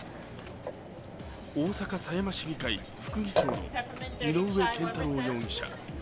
大阪狭山市議会副議長の井上健太郎容疑者。